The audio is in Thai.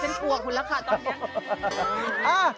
เป็นกลัวคุณแล้วกันตอนนี้